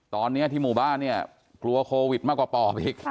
ตอนนี้ที่หมู่บ้านเนี่ยกลัวโควิดมากกว่าปอบอีก